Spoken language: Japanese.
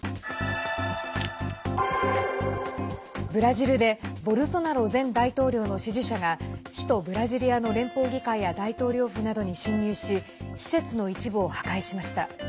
ブラジルでボルソナロ前大統領の支持者が首都ブラジリアの連邦議会や大統領府などに侵入し施設の一部を破壊しました。